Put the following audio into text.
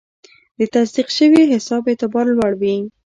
د تصدیق شوي حساب اعتبار لوړ وي.